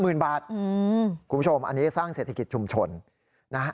คุณผู้ชมอันนี้สร้างเศรษฐกิจชุมชน